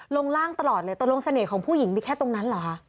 ลงล่างตลอดเลยตกลงเสน่ห์ของผู้หญิงมีแค่ตรงนั้นเหรอคะ